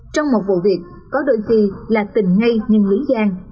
trong một vụ việc có đôi khi là tình ngay nhưng lưỡi gian